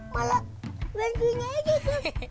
malah bantuinnya aja kong